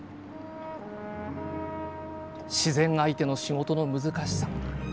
自然相手の仕事の難しさ。